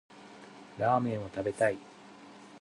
ラーメンを食べたい。